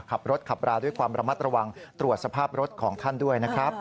ขับรถขับราด้วยความระมัดระวังตรวจสภาพรถของท่านด้วยนะครับ